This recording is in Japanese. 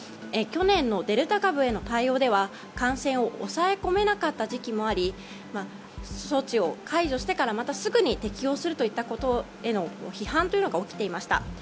去年のデルタ株への対応では感染を抑え込めなかった時期もあり措置を解除してから、またすぐに適用するといったことへの批判というのが起きていました。